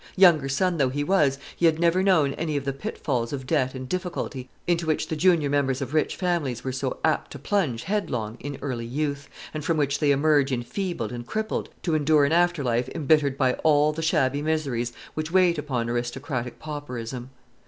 Younger son though he was, he had never known any of the pitfalls of debt and difficulty into which the junior members of rich families are so apt to plunge headlong in early youth, and from which they emerge enfeebled and crippled, to endure an after life embittered by all the shabby miseries which wait upon aristocratic pauperism.